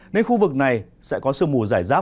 nên khu vực này sẽ có sương mù giải rác